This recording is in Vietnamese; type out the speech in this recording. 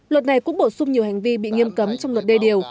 luật này cũng bổ sung nhiều hành vi bị nghiêm cấm trong luật đê điều